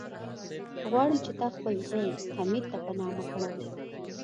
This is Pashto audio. غواړم چې تا خپل زوی، حميد ته په نامه کم.